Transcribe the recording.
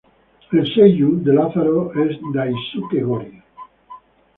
El seiyuu de Lázaro es Daisuke Gori.